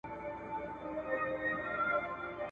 هم په ویښه هم په خوب کي خپل زلمي کلونه وینم `